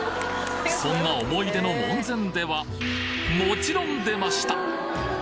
そんな思い出の門前ではもちろん出ました！